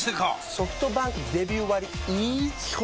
ソフトバンクデビュー割イズ基本